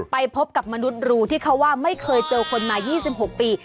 ไปพบกับมนุษย์รูที่เขาว่าไม่เคยเจอคนมา๒๖ปี